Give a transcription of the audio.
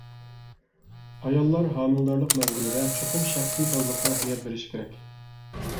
ئاياللار ھامىلىدارلىق مەزگىلىدە چوقۇم شەخسىي تازىلىققا ئەھمىيەت بېرىشى كېرەك.